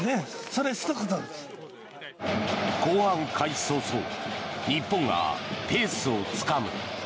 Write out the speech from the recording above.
後半開始早々日本がペースをつかむ。